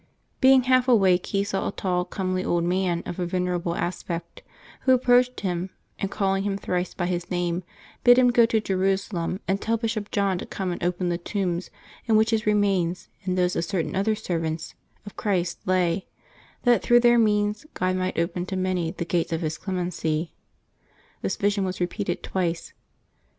Being half awake, he saw a tall, comely old man of a venerable aspect, who approached him, and, calling him thrice by his name, bid him go to Jerusalem and tell Bishop John to come and open the tombs in which his re mains and those of certain other servants of Christ lay, that through their means God might open to many the gates of His clemency. This vision was repeated twice.